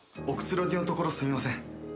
おくつろぎのところすみません。